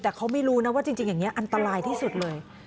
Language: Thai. แต่เขาไม่รู้นะว่าจริงอย่างนี้อันตรายที่สุดเลย